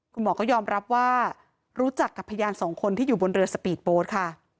คุณหมอก็ยอมรับว่ารู้จักกับพยานสองคนที่อยู่บนเรือสปีดโบ๊ทค่ะ